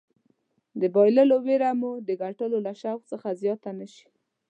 د بایللو ویره مو د ګټلو له شوق څخه زیاته نه شي.